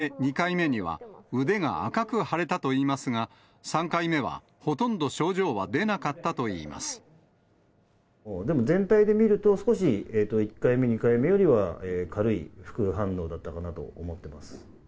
軽かったんですけど、ただ、１回目、２回目には腕が赤く腫れたといいますが、３回目はほとんど症状はでも全体で見ると、少し、１回目、２回目よりは軽い副反応だったかなと思ってます。